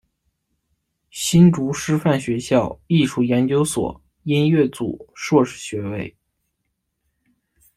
新竹师范学校艺术研究所音乐组硕士学位。